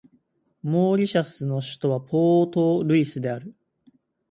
モーリシャスの首都はポートルイスである